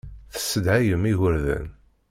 Tessedhayem igerdan.